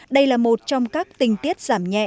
đây là một trong các tình tiết giảm nhẹ